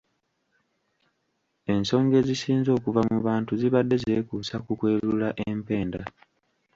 Ensonga ezisinze okuva mu bantu zibadde zeekuusa ku kwerula empenda.